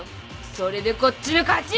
それでこっちの勝ち！